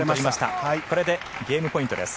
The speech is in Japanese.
これでゲームポイントです。